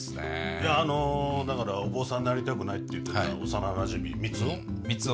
いやあのだからお坊さんになりたくないって言ってた幼なじみ三生？